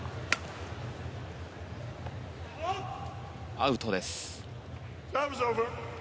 アウトです。